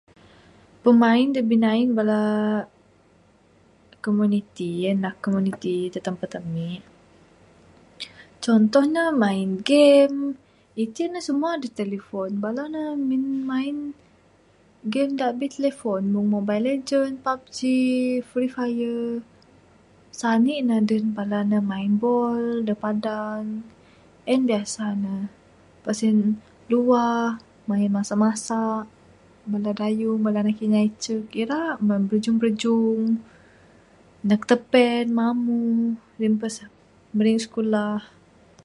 Pemain da binain bada komuniti, en da komuniti da tempat ami', contoh ne main game. Iti ne semua da telefon. Bala ne main game da abih telefon mung mobile lagend, park gee, free fire. Sanik ne duh bala ne main ball da padang. En biasa ne. Mbuh sen luah, main masak masak. Bala dayung, bala anak kinya da dicuk, irak mah brajung brajung. Nduh tipain mamuh, rimpes marik skulah.